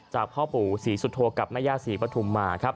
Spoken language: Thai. พ่อปู่ศรีสุโธกับแม่ย่าศรีปฐุมมาครับ